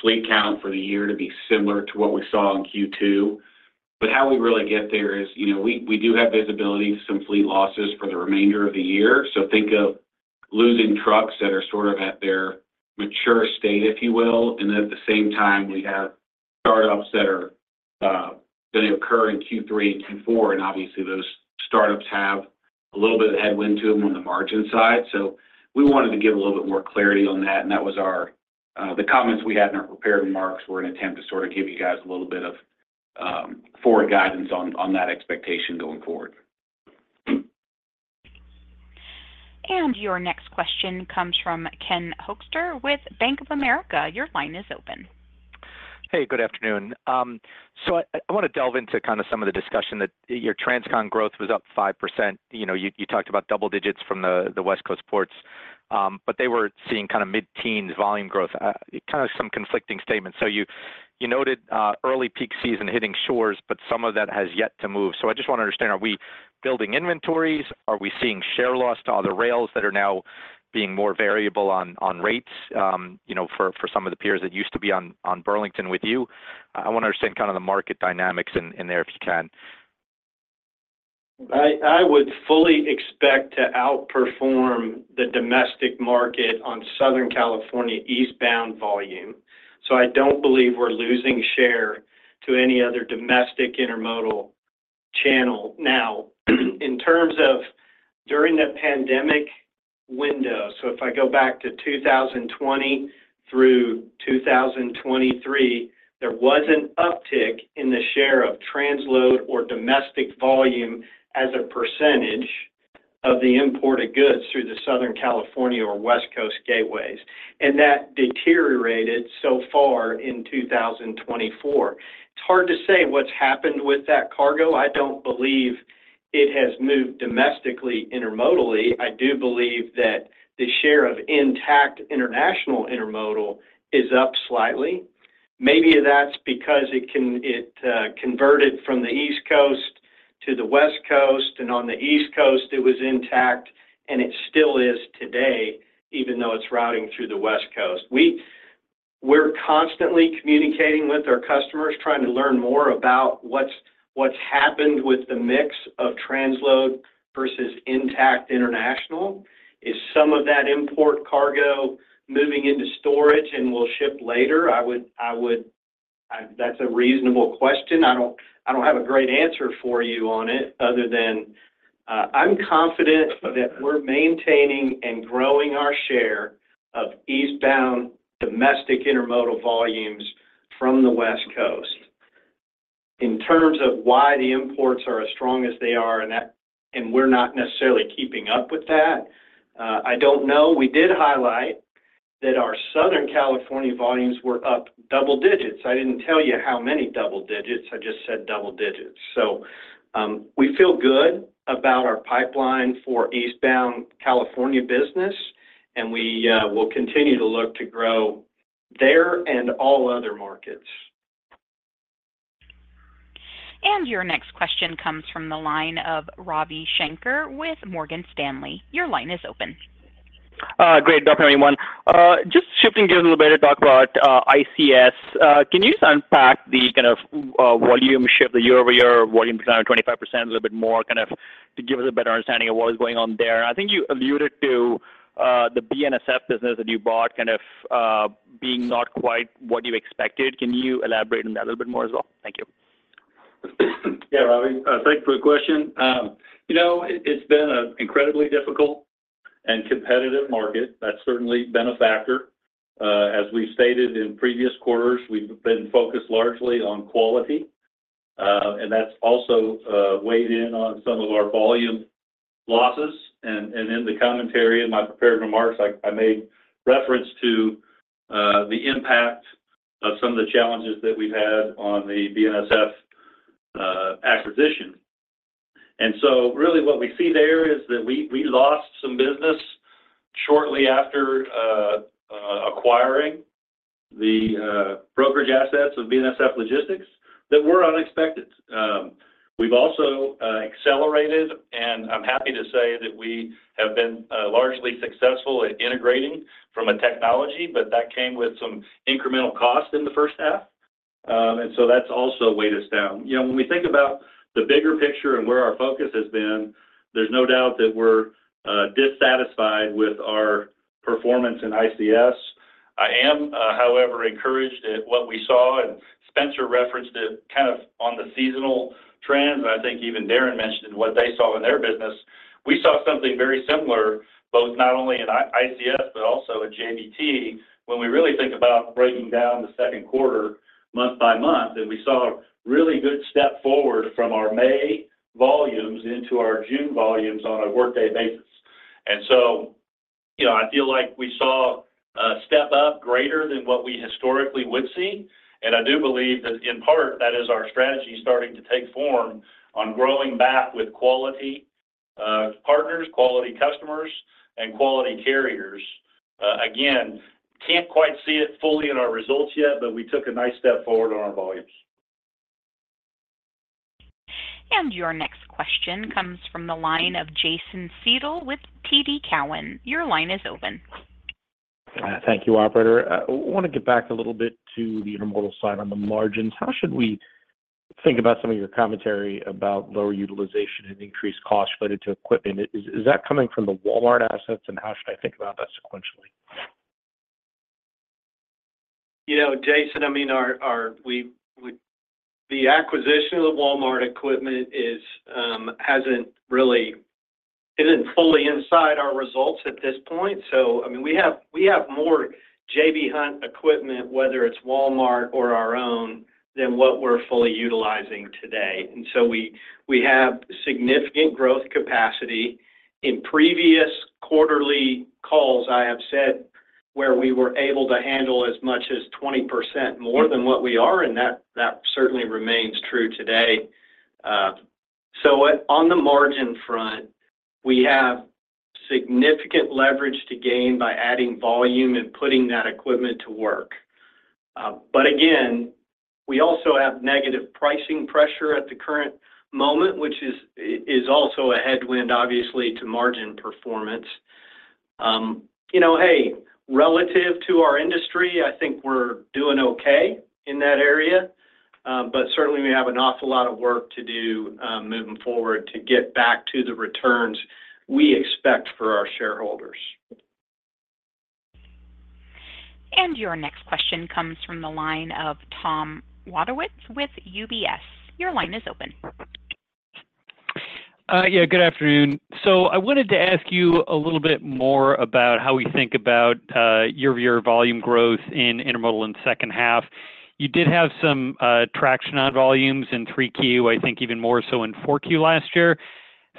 fleet count for the year to be similar to what we saw in Q2. But how we really get there is, you know, we do have visibility to some fleet losses for the remainder of the year. So think of losing trucks that are sort of at their mature state, if you will, and at the same time, we have startups that are going to occur in Q3 and Q4, and obviously, those startups have a little bit of headwind to them on the margin side. So we wanted to give a little bit more clarity on that, and that was our, the comments we had in our prepared remarks were an attempt to sort of give you guys a little bit of forward guidance on that expectation going forward. Your next question comes from Ken Hoexter with Bank of America. Your line is open. Hey, good afternoon. So I want to delve into kind of some of the discussion that your Transcon growth was up 5%. You know, you talked about double digits from the West Coast ports, but they were seeing kind of mid-teens volume growth. Kind of some conflicting statements. So you noted early peak season hitting shores, but some of that has yet to move. So I just want to understand, are we building inventories? Are we seeing share loss to other rails that are now being more variable on rates, you know, for some of the peers that used to be on Burlington with you? I want to understand kind of the market dynamics in there, if you can. I would fully expect to outperform the domestic market on Southern California eastbound volume, so I don't believe we're losing share to any other domestic intermodal channel. Now, in terms of during the pandemic window, so if I go back to 2020 through 2023, there was an uptick in the share of transload or domestic volume as a percentage of the imported goods through the Southern California or West Coast gateways, and that deteriorated so far in 2024. It's hard to say what's happened with that cargo. I don't believe it has moved domestically, intermodally. I do believe that the share of intact international intermodal is up slightly. Maybe that's because it converted from the East Coast to the West Coast, and on the East Coast, it was intact, and it still is today, even though it's routing through the West Coast. We're constantly communicating with our customers, trying to learn more about what's happened with the mix of transload versus intact international. Is some of that import cargo moving into storage and will ship later? That's a reasonable question. I don't have a great answer for you on it, other than I'm confident that we're maintaining and growing our share of eastbound domestic intermodal volumes from the West Coast. In terms of why the imports are as strong as they are and that, and we're not necessarily keeping up with that, I don't know. We did highlight that our Southern California volumes were up double digits. I didn't tell you how many double digits. I just said double digits. So, we feel good about our pipeline for eastbound California business, and we will continue to look to grow there and all other markets. Your next question comes from the line of Ravi Shanker with Morgan Stanley. Your line is open. Great. Good afternoon, everyone. Just shifting gears a little bit to talk about, ICS. Can you just unpack the kind of, volume shift, the year-over-year volume, 25%, a little bit more, kind of to give us a better understanding of what is going on there? I think you alluded to, the BNSF business that you bought kind of, being not quite what you expected. Can you elaborate on that a little bit more as well? Thank you. Yeah, Ravi, thanks for the question. You know, it's been an incredibly difficult and competitive market. That's certainly been a factor. As we've stated in previous quarters, we've been focused largely on quality.... and that's also weighed in on some of our volume losses. And in the commentary in my prepared remarks, I made reference to the impact of some of the challenges that we've had on the BNSF acquisition. And so really what we see there is that we lost some business shortly after acquiring the brokerage assets of BNSF Logistics that were unexpected. We've also accelerated, and I'm happy to say that we have been largely successful at integrating from a technology, but that came with some incremental costs in the first half. And so that's also weighed us down. You know, when we think about the bigger picture and where our focus has been, there's no doubt that we're dissatisfied with our performance in ICS. I am, however, encouraged at what we saw, and Spencer referenced it kind of on the seasonal trends, and I think even Darren mentioned what they saw in their business. We saw something very similar, both not only in ICS, but also at JBT. When we really think about breaking down the second quarter month by month, and we saw a really good step forward from our May volumes into our June volumes on a workday basis. And so, you know, I feel like we saw a step up greater than what we historically would see, and I do believe that in part, that is our strategy starting to take form on growing back with quality partners, quality customers, and quality carriers. Again, can't quite see it fully in our results yet, but we took a nice step forward on our volumes. Your next question comes from the line of Jason Seidel with TD Cowen. Your line is open. Thank you, operator. I want to get back a little bit to the intermodal side on the margins. How should we think about some of your commentary about lower utilization and increased costs related to equipment? Is, is that coming from the Walmart assets, and how should I think about that sequentially? You know, Jason, I mean, the acquisition of the Walmart equipment is, hasn't really, isn't fully inside our results at this point. So, I mean, we have more J.B. Hunt equipment, whether it's Walmart or our own, than what we're fully utilizing today. And so we have significant growth capacity. In previous quarterly calls, I have said where we were able to handle as much as 20% more than what we are, and that certainly remains true today. So what on the margin front, we have significant leverage to gain by adding volume and putting that equipment to work. But again, we also have negative pricing pressure at the current moment, which is also a headwind, obviously, to margin performance. You know, hey, relative to our industry, I think we're doing okay in that area. But certainly we have an awful lot of work to do, moving forward to get back to the returns we expect for our shareholders. Your next question comes from the line of Tom Wadewitz with UBS. Your line is open. Yeah, good afternoon. So I wanted to ask you a little bit more about how we think about year-over-year volume growth in intermodal in the second half. You did have some traction on volumes in 3Q, I think even more so in 4Q last year.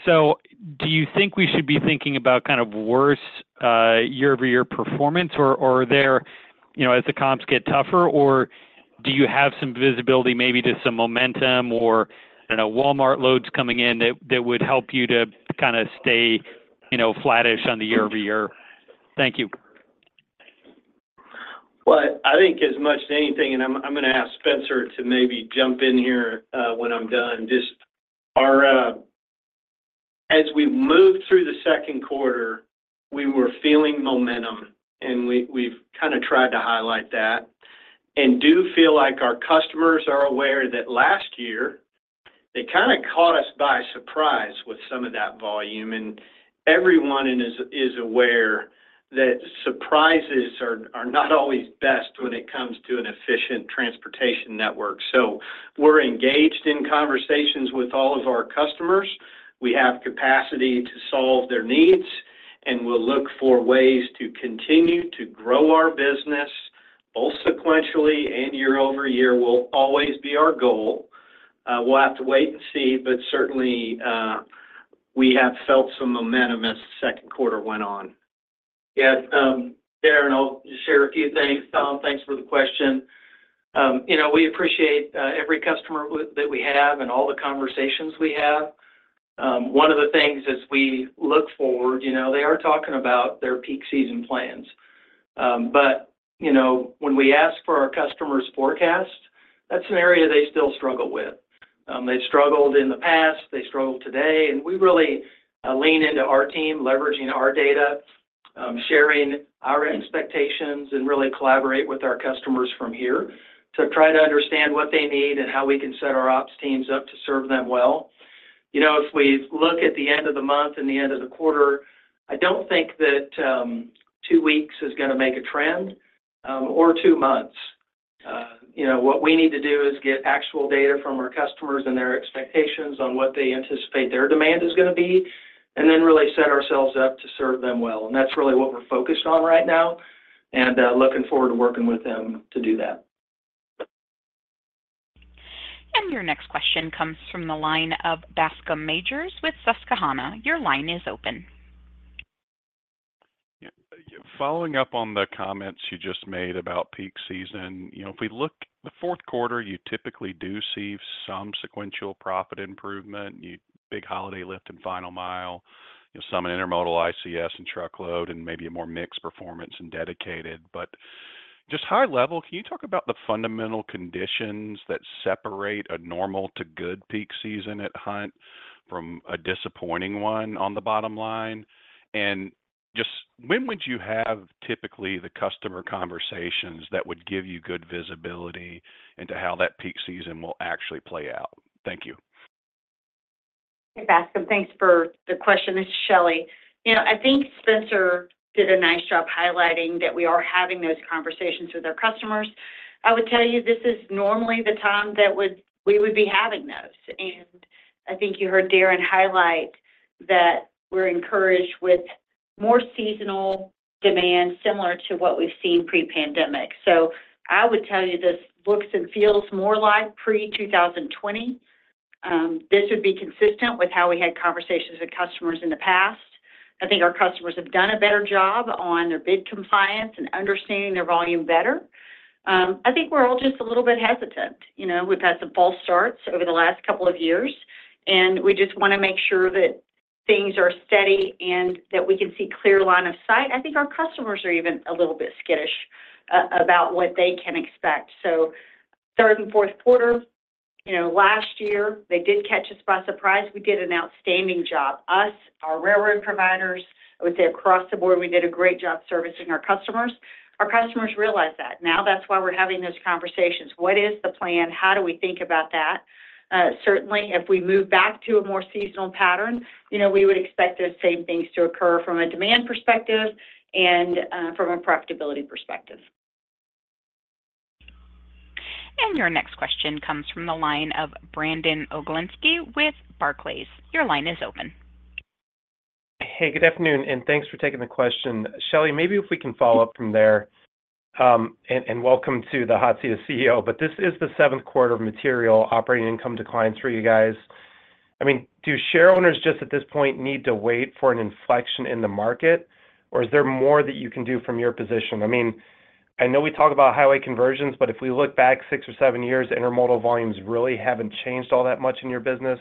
So do you think we should be thinking about kind of worse year-over-year performance, or are there, you know, as the comps get tougher? Or do you have some visibility, maybe to some momentum or, you know, Walmart loads coming in that would help you to kinda stay, you know, flattish on the year-over-year? Thank you. Well, I think as much as anything, and I'm gonna ask Spencer to maybe jump in here, when I'm done. Just our, as we moved through the second quarter, we were feeling momentum, and we, we've kinda tried to highlight that. We do feel like our customers are aware that last year, they kinda caught us by surprise with some of that volume, and everyone is aware that surprises are not always best when it comes to an efficient transportation network. So we're engaged in conversations with all of our customers. We have capacity to solve their needs, and we'll look for ways to continue to grow our business, both sequentially and year-over-year will always be our goal. We'll have to wait and see, but certainly, we have felt some momentum as the second quarter went on. Yes, Darren, I'll just share a few things. Tom, thanks for the question. You know, we appreciate every customer with that we have and all the conversations we have. One of the things as we look forward, you know, they are talking about their peak season plans. But, you know, when we ask for our customers' forecast, that's an area they still struggle with. They struggled in the past, they struggle today, and we really lean into our team, leveraging our data, sharing our expectations, and really collaborate with our customers from here to try to understand what they need and how we can set our ops teams up to serve them well. You know, if we look at the end of the month and the end of the quarter, I don't think that, two weeks is gonna make a trend, or two months. You know, what we need to do is get actual data from our customers and their expectations on what they anticipate their demand is gonna be, and then really set ourselves up to serve them well. And that's really what we're focused on right now.... and looking forward to working with them to do that. Your next question comes from the line of Bascome Majors with Susquehanna. Your line is open. Yeah, following up on the comments you just made about peak season, you know, if we look, the fourth quarter, you typically do see some sequential profit improvement, you—big holiday lift in Final Mile, you know, some in Intermodal ICS and Truckload, and maybe a more mixed performance in Dedicated. But just high level, can you talk about the fundamental conditions that separate a normal to good peak season at Hunt from a disappointing one on the bottom line? And just when would you have typically the customer conversations that would give you good visibility into how that peak season will actually play out? Thank you. Hey, Bascome, thanks for the question. This is Shelley. You know, I think Spencer did a nice job highlighting that we are having those conversations with our customers. I would tell you, this is normally the time that we would be having those, and I think you heard Darren highlight that we're encouraged with more seasonal demand, similar to what we've seen pre-pandemic. So I would tell you, this looks and feels more like pre-2020. This would be consistent with how we had conversations with customers in the past. I think our customers have done a better job on their bid compliance and understanding their volume better. I think we're all just a little bit hesitant. You know, we've had some false starts over the last couple of years, and we just want to make sure that things are steady and that we can see clear line of sight. I think our customers are even a little bit skittish about what they can expect. So third and fourth quarter, you know, last year, they did catch us by surprise. We did an outstanding job. Us, our railroad providers, I would say across the board, we did a great job servicing our customers. Our customers realize that. Now, that's why we're having those conversations. What is the plan? How do we think about that? Certainly, if we move back to a more seasonal pattern, you know, we would expect those same things to occur from a demand perspective and from a profitability perspective. Your next question comes from the line of Brandon Oglenski with Barclays. Your line is open. Hey, good afternoon, and thanks for taking the question. Shelley, maybe if we can follow up from there, and welcome to the hot seat as CEO, but this is the seventh quarter of material operating income declines for you guys. I mean, do shareowners just, at this point, need to wait for an inflection in the market, or is there more that you can do from your position? I mean, I know we talk about highway conversions, but if we look back six or seven years, intermodal volumes really haven't changed all that much in your business.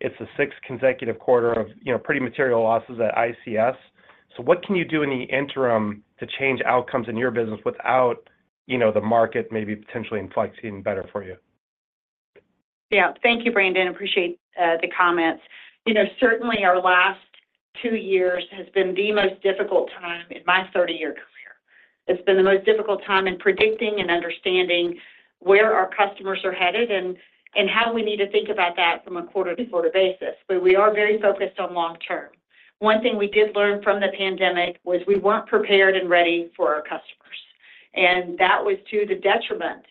It's the sixth consecutive quarter of, you know, pretty material losses at ICS. So what can you do in the interim to change outcomes in your business without, you know, the market maybe potentially inflecting better for you? Yeah. Thank you, Brandon. Appreciate the comments. You know, certainly our last two years has been the most difficult time in my thirty-year career. It's been the most difficult time in predicting and understanding where our customers are headed and, and how we need to think about that from a quarter-to-quarter basis. But we are very focused on long-term. One thing we did learn from the pandemic was we weren't prepared and ready for our customers, and that was to the detriment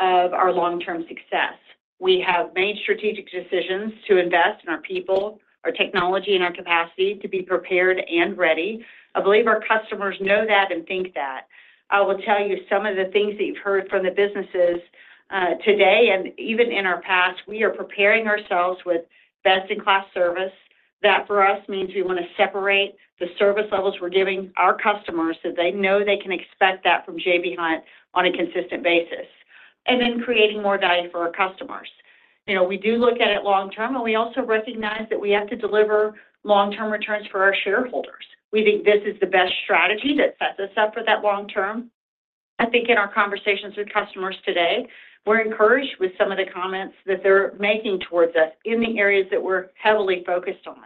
of our long-term success. We have made strategic decisions to invest in our people, our technology, and our capacity to be prepared and ready. I believe our customers know that and think that. I will tell you some of the things that you've heard from the businesses, today and even in our past, we are preparing ourselves with best-in-class service. That, for us, means we want to separate the service levels we're giving our customers, so they know they can expect that from J.B. Hunt on a consistent basis, and then creating more value for our customers. You know, we do look at it long term, and we also recognize that we have to deliver long-term returns for our shareholders. We think this is the best strategy that sets us up for that long term. I think in our conversations with customers today, we're encouraged with some of the comments that they're making towards us in the areas that we're heavily focused on.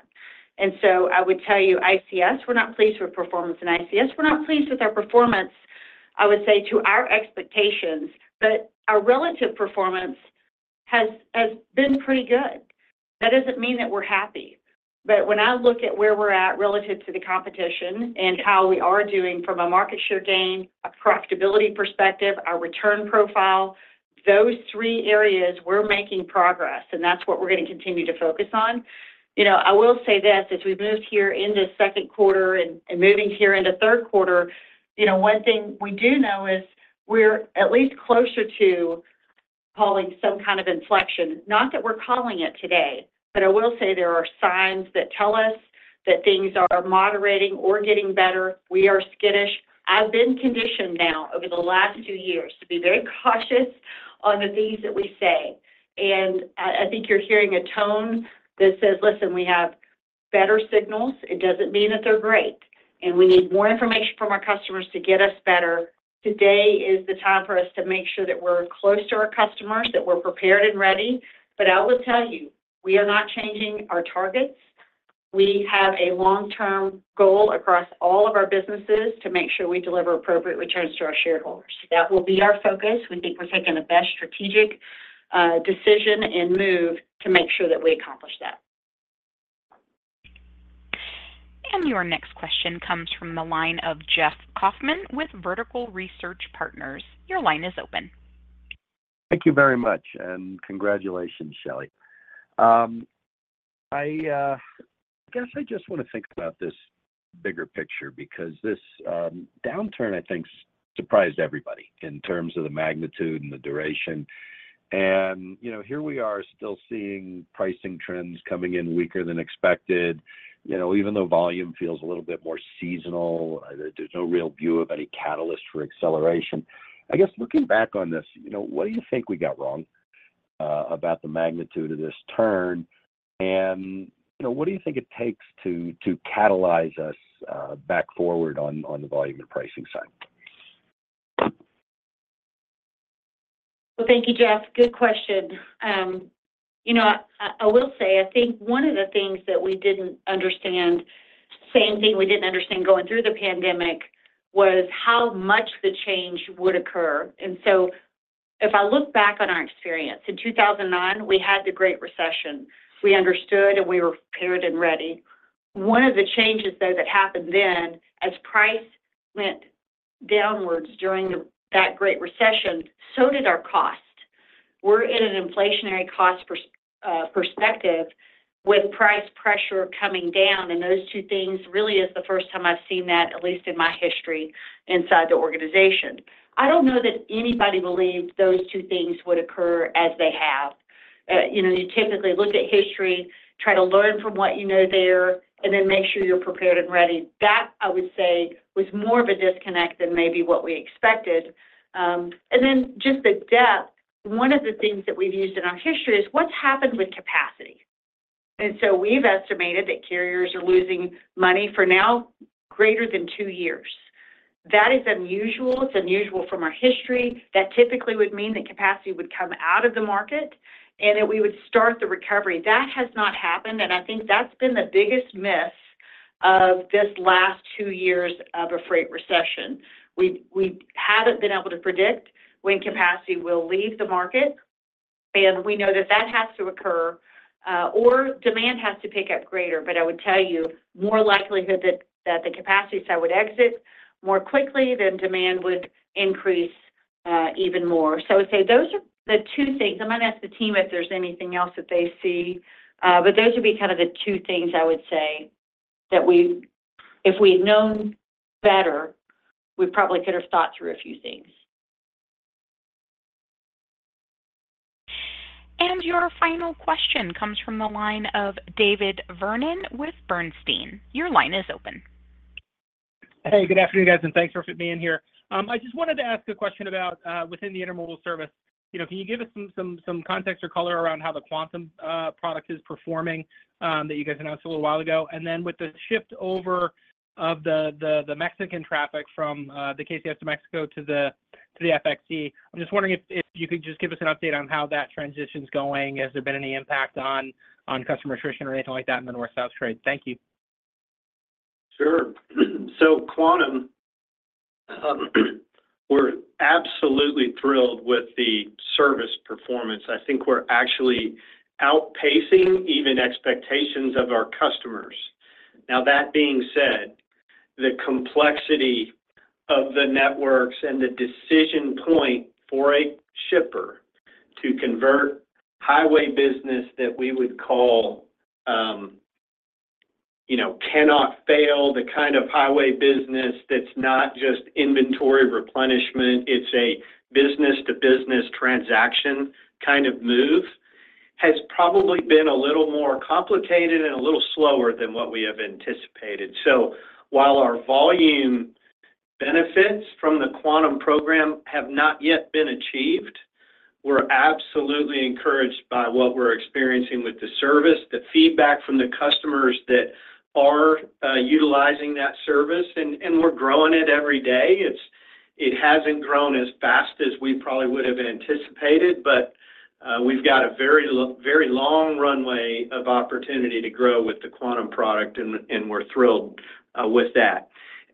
And so I would tell you, ICS, we're not pleased with performance in ICS. We're not pleased with our performance, I would say, to our expectations, but our relative performance has been pretty good. That doesn't mean that we're happy. But when I look at where we're at relative to the competition and how we are doing from a market share gain, a profitability perspective, our return profile, those three areas, we're making progress, and that's what we're going to continue to focus on. You know, I will say this: as we've moved here into second quarter and moving here into third quarter, you know, one thing we do know is we're at least closer to calling some kind of inflection. Not that we're calling it today, but I will say there are signs that tell us that things are moderating or getting better. We are skittish. I've been conditioned now over the last two years to be very cautious on the things that we say, and I, I think you're hearing a tone that says, "Listen, we have better signals." It doesn't mean that they're great, and we need more information from our customers to get us better. Today is the time for us to make sure that we're close to our customers, that we're prepared and ready. But I will tell you, we are not changing our targets. We have a long-term goal across all of our businesses to make sure we deliver appropriate returns to our shareholders. That will be our focus. We think we're taking the best strategic decision and move to make sure that we accomplish that. Your next question comes from the line of Jeff Kauffman with Vertical Research Partners. Your line is open.... Thank you very much, and congratulations, Shelley. I guess I just want to think about this bigger picture because this downturn, I think, surprised everybody in terms of the magnitude and the duration. And, you know, here we are still seeing pricing trends coming in weaker than expected. You know, even though volume feels a little bit more seasonal, there's no real view of any catalyst for acceleration. I guess, looking back on this, you know, what do you think we got wrong about the magnitude of this turn? And, you know, what do you think it takes to catalyze us back forward on the volume and pricing side? Well, thank you, Jeff. Good question. You know, I will say, I think one of the things that we didn't understand, same thing we didn't understand going through the pandemic, was how much the change would occur. And so if I look back on our experience, in 2009, we had the Great Recession. We understood, and we were prepared and ready. One of the changes, though, that happened then, as price went downwards during the, that Great Recession, so did our cost. We're in an inflationary cost perspective with price pressure coming down, and those two things really is the first time I've seen that, at least in my history, inside the organization. I don't know that anybody believed those two things would occur as they have. You know, you typically look at history, try to learn from what you know there, and then make sure you're prepared and ready. That, I would say, was more of a disconnect than maybe what we expected. And then just the depth. One of the things that we've used in our history is what's happened with capacity. And so we've estimated that carriers are losing money for now, greater than two years. That is unusual. It's unusual from our history. That typically would mean that capacity would come out of the market, and that we would start the recovery. That has not happened, and I think that's been the biggest myth of this last two years of a freight recession. We, we haven't been able to predict when capacity will leave the market, and we know that that has to occur, or demand has to pick up greater. But I would tell you, more likelihood that, that the capacity side would exit more quickly than demand would increase, even more. So I would say those are the two things. I'm going to ask the team if there's anything else that they see, but those would be kind of the two things I would say that we... If we'd known better, we probably could have thought through a few things. Your final question comes from the line of David Vernon with Bernstein. Your line is open. Hey, good afternoon, guys, and thanks for being here. I just wanted to ask a question about within the intermodal service. You know, can you give us some context or color around how the Quantum product is performing that you guys announced a little while ago? And then with the shift over of the Mexican traffic from the KCS de Mexico to the FXE, I'm just wondering if you could just give us an update on how that transition's going. Has there been any impact on customer attrition or anything like that in the North-South trade? Thank you. Sure. So Quantum, we're absolutely thrilled with the service performance. I think we're actually outpacing even expectations of our customers. Now, that being said, the complexity of the networks and the decision point for a shipper to convert highway business that we would call, you know, cannot fail, the kind of highway business that's not just inventory replenishment, it's a business-to-business transaction kind of move, has probably been a little more complicated and a little slower than what we have anticipated. So while our volume benefits from the Quantum program have not yet been achieved, we're absolutely encouraged by what we're experiencing with the service, the feedback from the customers that are, utilizing that service, and we're growing it every day. It hasn't grown as fast as we probably would have anticipated, but we've got a very long runway of opportunity to grow with the Quantum product, and we're thrilled with that.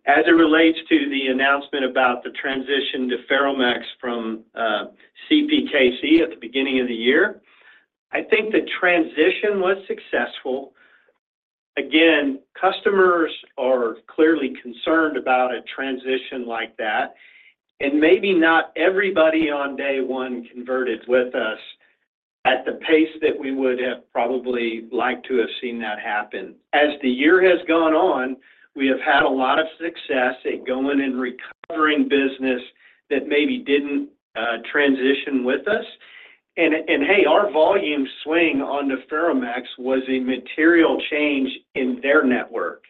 As it relates to the announcement about the transition to Ferromex from CPKC at the beginning of the year, I think the transition was successful. Again, customers are clearly concerned about a transition like that, and maybe not everybody on day one converted with us at the pace that we would have probably liked to have seen that happen. As the year has gone on, we have had a lot of success at going and recovering business that maybe didn't transition with us. And, hey, our volume swing on the Ferromex was a material change in their network,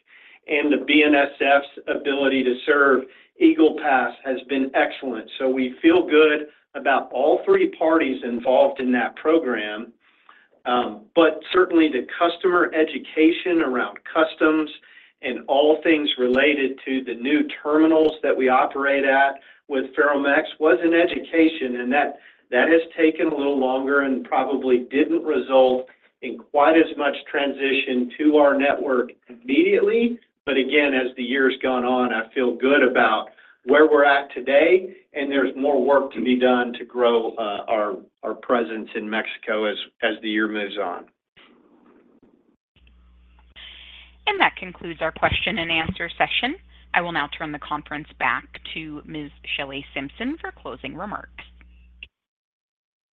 and the BNSF's ability to serve Eagle Pass has been excellent. So we feel good about all three parties involved in that program. But certainly, the customer education around customs and all things related to the new terminals that we operate at with Ferromex was an education, and that, that has taken a little longer and probably didn't result in quite as much transition to our network immediately. But again, as the year's gone on, I feel good about where we're at today, and there's more work to be done to grow our presence in Mexico as the year moves on. That concludes our question-and-answer session. I will now turn the conference back to Ms. Shelley Simpson for closing remarks.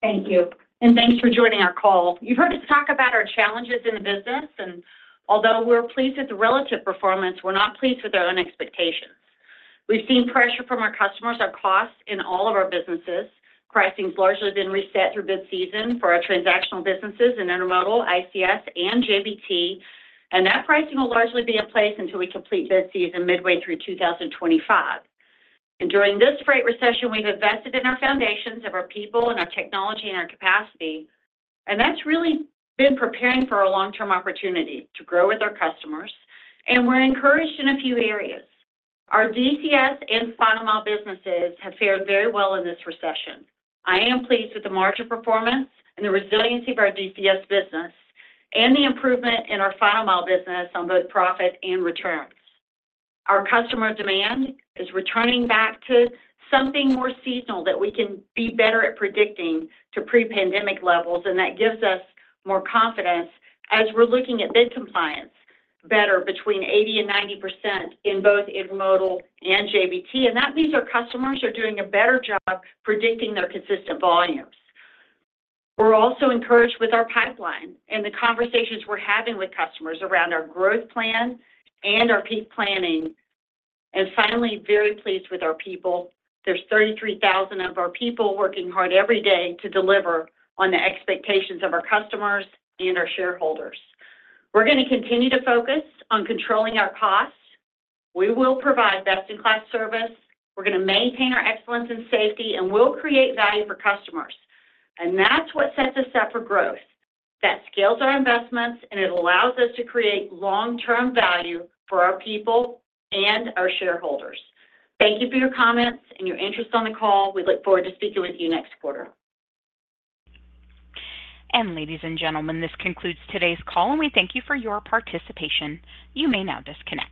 Thank you, and thanks for joining our call. You've heard us talk about our challenges in the business, and although we're pleased with the relative performance, we're not pleased with our own expectations. We've seen pressure from our customers, our costs in all of our businesses. Pricing has largely been reset through bid season for our transactional businesses in Intermodal, ICS, and JBT, and that pricing will largely be in place until we complete bid season midway through 2025. During this freight recession, we've invested in our foundations of our people and our technology and our capacity, and that's really been preparing for our long-term opportunity to grow with our customers, and we're encouraged in a few areas. Our DCS and Final Mile businesses have fared very well in this recession. I am pleased with the margin performance and the resiliency of our DCS business and the improvement in our Final Mile business on both profit and returns. Our customer demand is returning back to something more seasonal that we can be better at predicting to pre-pandemic levels, and that gives us more confidence as we're looking at bid compliance better between 80% and 90% in both Intermodal and JBT. And that means our customers are doing a better job predicting their consistent volumes. We're also encouraged with our pipeline and the conversations we're having with customers around our growth plan and our peak planning. And finally, very pleased with our people. There's 33,000 of our people working hard every day to deliver on the expectations of our customers and our shareholders. We're going to continue to focus on controlling our costs. We will provide best-in-class service, we're going to maintain our excellence in safety, and we'll create value for customers. And that's what sets us up for growth. That scales our investments, and it allows us to create long-term value for our people and our shareholders. Thank you for your comments and your interest on the call. We look forward to speaking with you next quarter. Ladies and gentlemen, this concludes today's call, and we thank you for your participation. You may now disconnect.